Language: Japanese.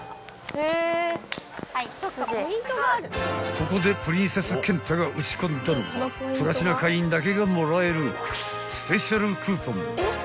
［ここでプリンセスケンタが打ち込んだのはプラチナ会員だけがもらえるスペシャルクーポン］